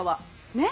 ねっ？